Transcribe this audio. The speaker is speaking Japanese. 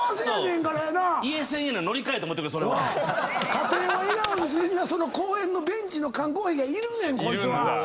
家庭を笑顔にするにはその公園のベンチの缶コーヒーがいるねんこいつは。